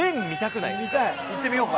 行ってみようか。